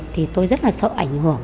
thì tôi rất là sợ ảnh hưởng